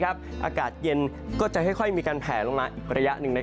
อากาศเย็นก็จะค่อยมีการแผลลงมาอีกระยะหนึ่ง